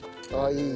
いい！